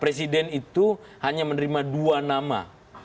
presiden itu hanya menerima dua nama